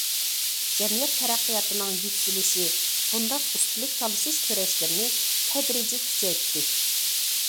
جەمئىيەت تەرەققىياتىنىڭ يۈكسىلىشى بۇنداق ئۈستۈنلۈك تالىشىش كۈرەشلىرىنى تەدرىجىي كۈچەيتتى.